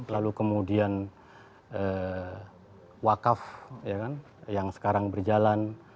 lalu kemudian wakaf yang sekarang berjalan